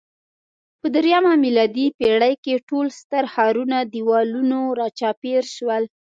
په درېیمه میلادي پېړۍ کې ټول ستر ښارونه دېوالونو راچاپېر شول